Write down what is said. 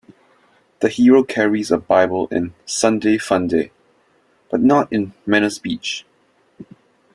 The hero carries a Bible in "Sunday Funday", but not in "Menace Beach".